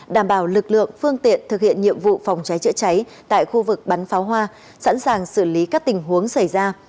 đảm bảo lực lượng phương tiện thực hiện nhiệm vụ phòng cháy chữa cháy tại khu vực bắn pháo hoa sẵn sàng xử lý các tình huống xảy ra